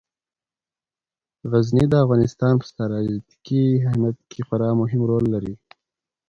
غزني د افغانستان په ستراتیژیک اهمیت کې خورا مهم رول لري.